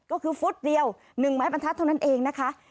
ก็คือฟุตเดียว๑ไม้บรรทัดเท่านั้นเองนะคะ